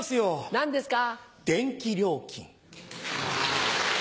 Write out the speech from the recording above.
何ですか？